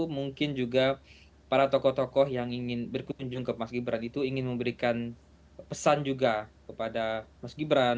mungkin juga para tokoh tokoh yang ingin berkunjung ke mas gibran itu ingin memberikan pesan juga kepada mas gibran